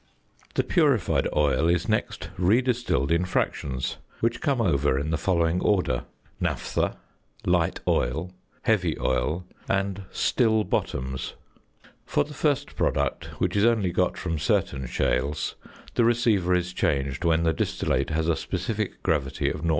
The purified oil is next re distilled in fractions, which come over in the following order: "Naphtha," "light oil," "heavy oil," and "still bottoms." For the first product, which is only got from certain shales, the receiver is changed when the distillate has a specific gravity of 0.78.